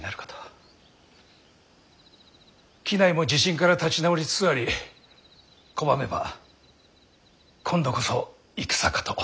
畿内も地震から立ち直りつつあり拒めば今度こそ戦かと。